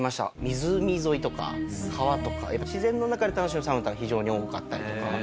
湖沿いとか川とかやっぱ自然の中で楽しむサウナが非常に多かったりとか。